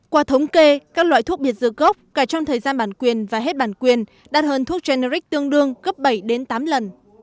qua thống kê các loại thuốc biệt dược gốc cả trong thời gian bản quyền và hết bản quyền đạt hơn thuốc generic tương đương gấp bảy đến tám lần